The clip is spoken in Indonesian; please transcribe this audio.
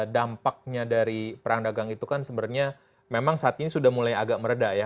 dampaknya dari perang dagang itu kan sebenarnya memang saat ini sudah mulai agak meredah ya